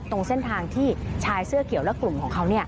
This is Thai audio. ตรงเส้นทางที่ชายเสื้อเขียวและกลุ่มของเขา